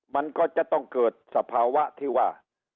มันก็จะต้องเกิดสภาวะที่ว่า